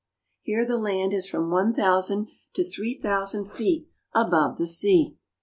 Here the land is from one thousand to three thousand feet above the sea.